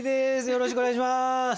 よろしくお願いします。